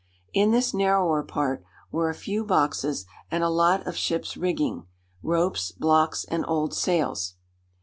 In this narrower part were a few boxes, and a lot of ship's rigging ropes, blocks, and old sails.